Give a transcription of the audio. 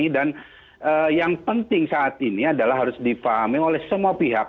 dan yang penting saat ini adalah harus dipahami oleh semua pihak